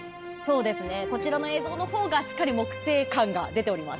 こちらの映像のほうがしっかり木星感が出ています。